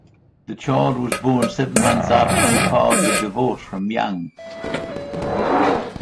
The child was born seven months after she filed for divorce from Young.